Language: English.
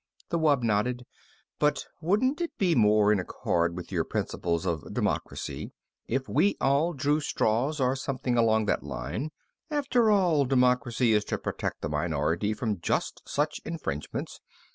The wub nodded. "But wouldn't it be more in accord with your principles of democracy if we all drew straws, or something along that line? After all, democracy is to protect the minority from just such infringements.